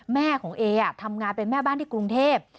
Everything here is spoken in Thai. แม่ของเอทำงานเป็นแม่บ้านที่กรุงเทพ